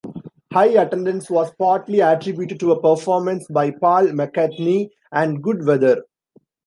High attendance was partly attributed to a performance by Paul McCartney and good weather.